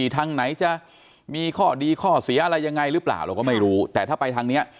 ทางไหนจะมีข้อดีข้อเสียอะไรยังไงหรือเปล่าเราก็ไม่รู้แต่ถ้าไปทางเนี้ย